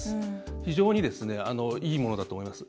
非常にいいものだと思います。